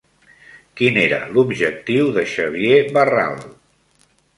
Quin era l'objectiu de Xavier Barral?